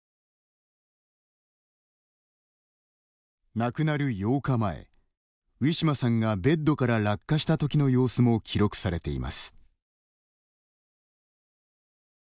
亡くなる８日前ウィシュマさんがベッドから落下した時の様子も記録されています。